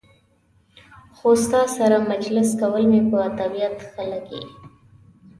خو ستا سره مجلس کول مې په طبیعت ښه لګي.